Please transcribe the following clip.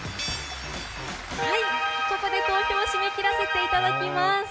ここで投票を締め切らせていただきます。